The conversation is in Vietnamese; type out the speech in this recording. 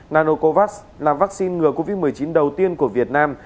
nanocovax là vaccine ngừa covid một mươi chín đầu tiên của việt nam